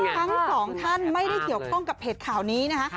ทั้งสองท่านไม่ได้เกี่ยวข้องกับเพจข่าวนี้นะคะ